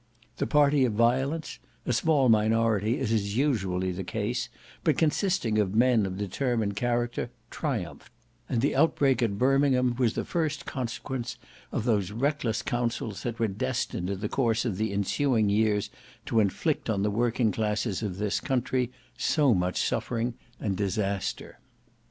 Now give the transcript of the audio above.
The party of violence, a small minority as is usually the case, but consisting of men of determined character, triumphed; and the outbreak at Birmingham was the first consequence of those reckless councils that were destined in the course of the ensuing years to inflict on the working classes of this country so much suffering and disaster.